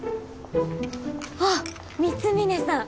あっ光峯さん